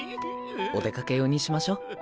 お出かけ用にしましょう。